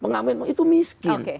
pengamis pengamis itu miskin